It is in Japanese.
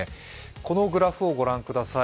このグラフをご覧ください。